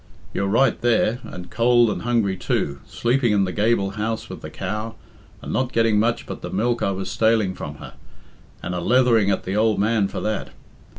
You're right there, and cold and hungry too, sleeping in the gable house with the cow, and not getting much but the milk I was staling from her, and a leathering at the ould man for that.